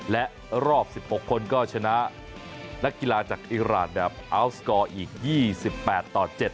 และรอบ๑๖คนก็ชนะนักกีฬาจากอิราณแบบอัลสกอร์อีก๒๘ต่อ๗